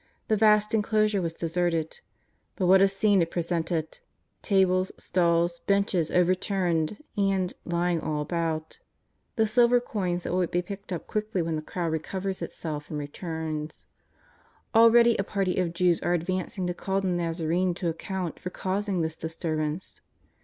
The vast enclosure was deserted, but what a scene it pre sented ! tables, stalls, benches, overturned and, lying all about, the silver coins that will be picked up quickly when the crowd recovers itself and returns. Already a party of Jews are advancing to call the ^azarene to account for causing this disturbance.